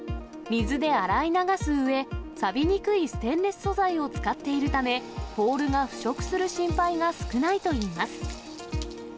水で洗い流すうえ、さびにくいステンレス素材を使っているため、ポールが腐食する心配が少ないといいます。